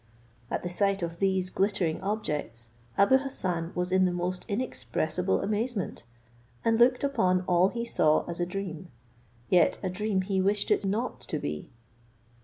At the sight of these glittering objects, Abou Hassan was in the most inexpressible amazement, and looked upon all he saw as a dream; yet a dream he wished it not to be.